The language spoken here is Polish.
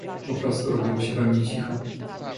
Po prostu robiło się we mnie cicho.